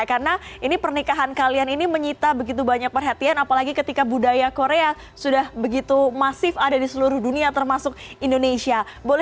karena ini pernikahan kalian ini menyita begitu banyak perhatian apalagi ketika budaya korea sudah begitu masif ada di seluruh dunia termasuk indonesia